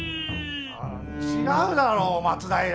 違うだろう松平！